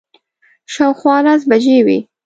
شاوخوا لس بجې وې.